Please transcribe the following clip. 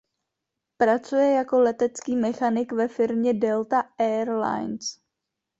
Pracuje jako letecký mechanik ve firmě Delta Air Lines.